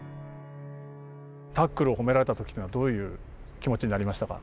タックルを褒められた時というのはどういう気持ちになりましたか？